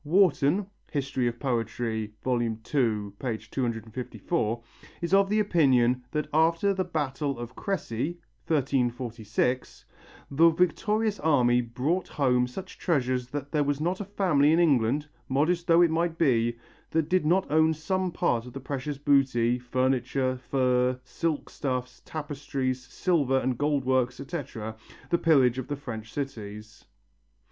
Warton (Hist. of Poetry, II, 254) is of the opinion that after the battle of Cressy (1346) the victorious army brought home such treasures that there was not a family in England, modest though it might be, that did not own some part of the precious booty, furniture, furs, silk stuffs, tapestries, silver and gold works, etc., the pillage of the French cities.